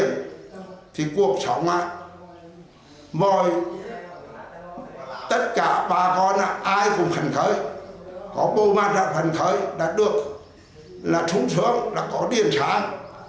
mọi tất cả bà con ai cũng hành khởi có bộ mặt hành khởi đã được là trúng xuống là có điện sáng